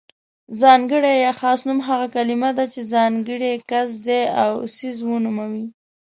ځانګړی يا خاص نوم هغه کلمه ده چې ځانګړی کس، ځای او څیز ونوموي.